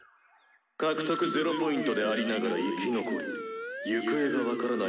「獲得０Ｐでありながら生き残り行方が分からない